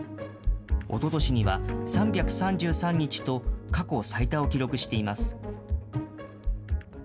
おととしには３３３日と過去最多を記録しています。